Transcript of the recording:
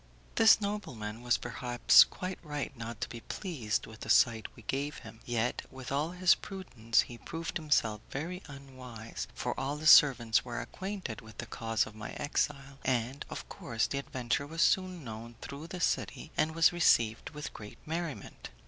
This nobleman was perhaps quite right not to be pleased with the sight we gave him; yet, with all his prudence, he proved himself very unwise, for all the servants were acquainted with the cause of my exile, and, of course, the adventure was soon known through the city, and was received with great merriment.